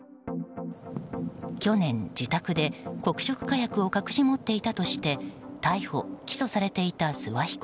去年、自宅で黒色火薬を隠し持っていたとして逮捕・起訴されていた諏訪被告。